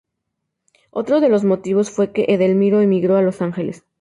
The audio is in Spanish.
Otros de los motivos fue que Edelmiro emigró a Los Ángeles.